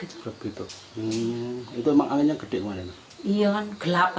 itu emang anginnya gede emang ya